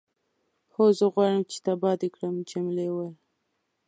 هو، زه غواړم چې تباه دې کړم. جميلې وويل:.